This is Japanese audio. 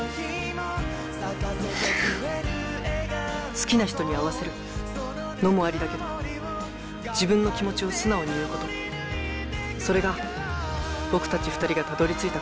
好きな人に合わせるのもありだけど自分の気持ちを素直に言うことそれが僕たち２人がたどりついた答えだったんだ